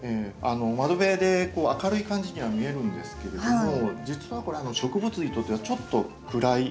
窓辺で明るい感じには見えるんですけれども実はこれ植物にとってはちょっと暗い。